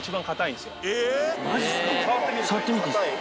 触ってみていいっすか。